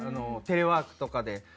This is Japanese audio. テレワークとかで。